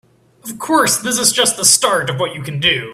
Of course, this is just the start of what you can do.